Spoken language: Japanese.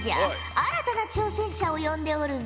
新たな挑戦者を呼んでおるぞ。